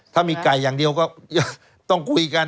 ถ้ามีไก่อย่างเดียวก็ต้องคุยกัน